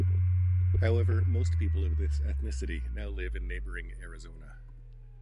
However, most people of this ethnicity now live in neighboring Arizona.